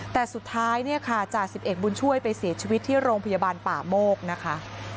แต่สุดท้ายจ่าย๑๑บุญช่วยไปเสียชีวิตที่โรงพยาบาลป่าโมกนะคะ